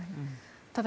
ただ